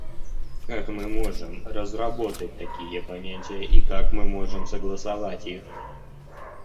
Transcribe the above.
Как мы можем разработать такие понятия, и как мы можем согласовать их?